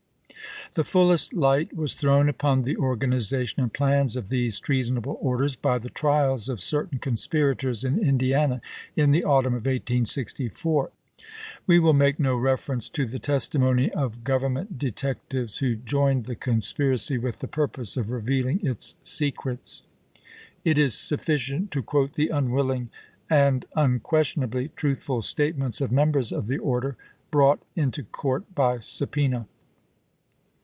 The fullest light was thrown upon the organiza tion and plans of these treasonable orders by the ABKAHAM LINCOLN Pitman, " Treason Trials at Indianap olis," p. 39. trials of certain conspirators in Indiana in the autumn of 1864. We will make no reference to tlie testimony of Grovernment detectives who joined the conspiracy with the purpose of revealing its secrets. It is sufficient to quote the unwilling and unquestionably truthful statements of members of the order, brought into court by subpoena.